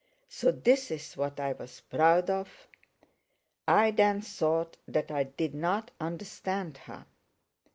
So this is what I was proud of! I then thought that I did not understand her.